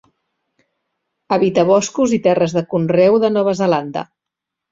Habita boscos i terres de conreu de Nova Zelanda.